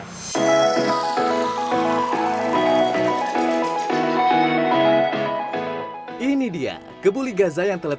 menikmati rumah danitas ai